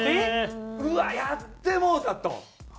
うわやってもうた！と。